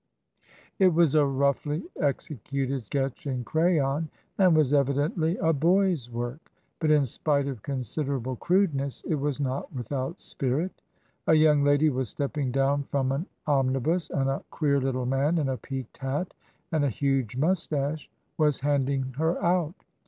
It was a roughly executed sketch in crayon and was evidently a boy's work; but in spite of considerable crudeness, it was not without spirit. A young lady was stepping down from an omnibus, and a queer little man in a peaked hat, and a huge moustache, was handing her out.